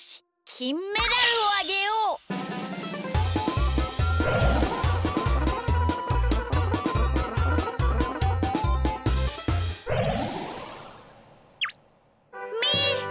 きんメダルをあげよう！みー！